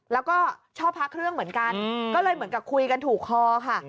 แล้วก็ชอบพระเครื่องเหมือนกันก็เลยเหมือนกับคุยกันถูกคอค่ะ